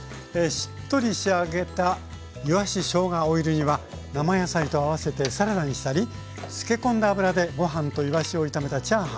しっとり仕上げたいわししょうがオイル煮は生野菜と合わせてサラダにしたりつけ込んだ油でご飯といわしを炒めたチャーハン。